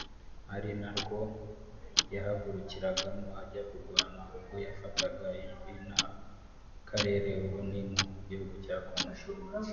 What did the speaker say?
ari na rwo yahagurukiragamo ajya kurwana ubwo yafataga Ijwi na Karere ubu ni mu gihugu cya Congo